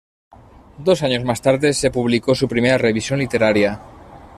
Dos años más tarde se publicó su primera revisión literaria.